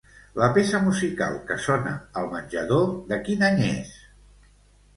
La peça musical que sona al menjador de quin any és?